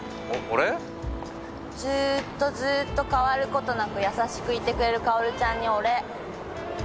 ずーっとずーっと変わることなく優しくいてくれる薫ちゃんにお礼。